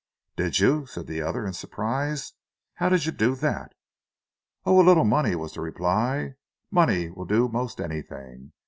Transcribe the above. "Did you?" said the other, in surprise. "How did you do that?" "Oh, a little money," was the reply. "Money will do most anything.